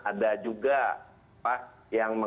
ada juga pak yang